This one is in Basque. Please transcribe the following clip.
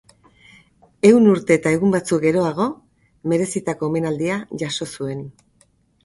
Ehun urte eta egun batzuk geroago, merezitako omenaldia jaso zuen.